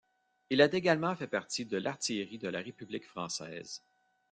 Il a également fait partie de l'artillerie de la République française.